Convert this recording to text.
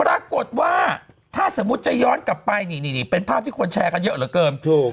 ปรากฏว่าถ้าสมมุติจะย้อนกลับไปนี่นี่เป็นภาพที่คนแชร์กันเยอะเหลือเกินถูก